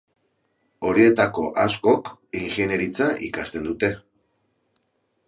Horietako askok ingeniaritza ikasten dute.